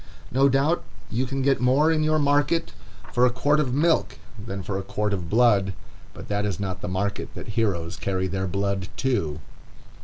No doubt you can get more in your market for a quart of milk than for a quart of blood, but that is not the market that heroes carry their blood to.